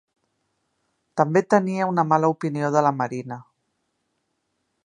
També tenia una mala opinió de la Marina.